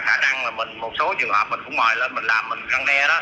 khả năng là mình một số trường hợp mình cũng mời lên mình làm mình găng he đó